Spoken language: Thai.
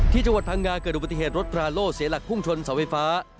จังหวัดพังงาเกิดอุบัติเหตุรถพราโล่เสียหลักพุ่งชนเสาไฟฟ้า